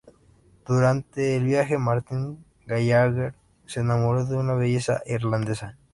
Durante el viaje, Martin Gallagher se enamora de una "belleza irlandesa".